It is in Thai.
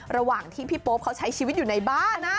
ระหว่างที่พี่โป๊ปเขาใช้ชีวิตอยู่ในบ้าน